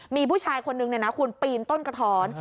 มีผู้ชายคนนึงคุณปีนต้นกระท้อน